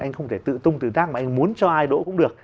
anh không thể tự tung tự tác mà anh muốn cho ai đỗ cũng được